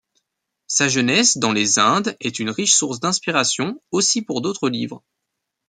Sa jeunesse dans les Indes est une riche source d'inspiration aussi pour d'autres livres.